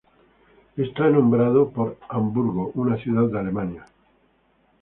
Está nombrado por Hamburgo, una ciudad de Alemania.